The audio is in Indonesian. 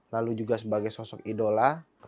lalu juga sebagai sosok idola